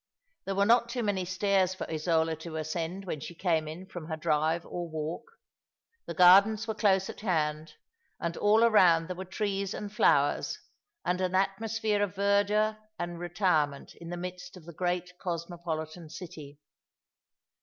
There were not too many stairs for Isola to ascend when she came in from her drive or walk. The gardens were close at hand, and all around there were trees and flowers, and an atmosphere of verdure and retirement in the midst of the great cosmopolitan city.